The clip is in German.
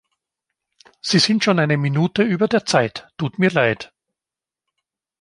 Sie sind schon eine Minute über der Zeittut mir leid!